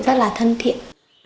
rất là thân thiện